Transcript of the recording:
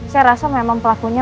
saya rasa memang pelakunya